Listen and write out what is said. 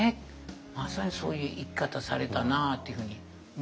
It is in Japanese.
まさにそういう生き方されたなというふうに思います。